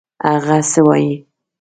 هغه څه وايي.